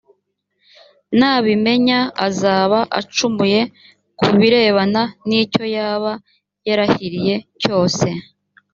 nabimenya azaba acumuye ku birebana n icyo yaba yarahiriye cyose